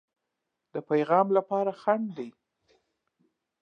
د پیغام لپاره خنډ دی.